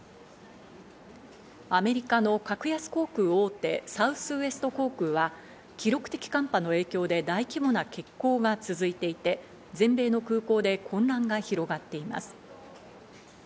アメリカの格安航空大手、サウスウエスト航空は記録的寒波の影響で大規模な欠航が続いていて全米の空港で混乱が広がっています。